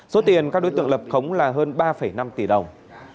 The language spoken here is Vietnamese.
số tiền các đối tượng lập khống là hơn ba năm tỷ đồng